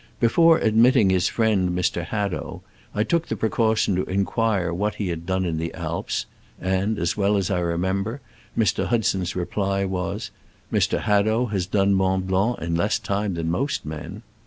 Before admitting his friend, Mr. Hadow, I took the precaution to inquire what he had done in the Alps, and, as well as I re member, Mr. Hudson's reply was, * Mr. Hadow has done Mont Blanc in less time than most men."